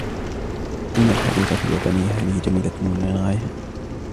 إن الحديقة اليابانية هذه جميلة للغاية.